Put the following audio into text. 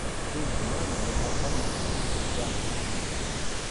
Hina mana ñuqaqa maqachikuqchu kani.